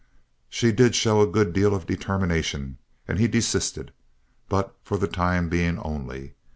She did show a good deal of determination, and he desisted. But for the time being only.